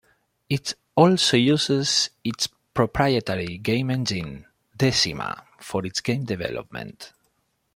It also uses its proprietary game engine, Decima, for its game development.